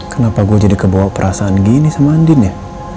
kenapa gue jadi kebawa perasaan gini sama andin ya